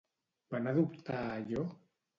Van adoptar a Ió?